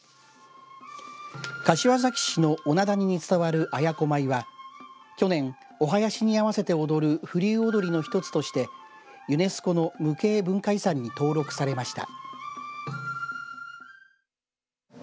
柏崎市の女谷に伝わる綾子舞は去年、おはやしに合わせて踊る風流踊の一つとしてユネスコの無形文化遺産に登録されました。